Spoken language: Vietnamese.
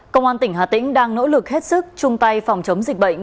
công an tỉnh hà tĩnh đang nỗ lực hết sức chung tay phòng chống dịch bệnh